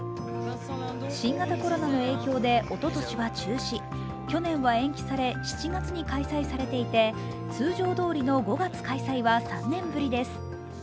新型コロナの影響でおととしは中止、去年は延期され、７月に開催されていて、通常どおりの５月開催は３年ぶりです。